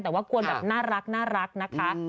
แต่ว่าน่ารักนะคะ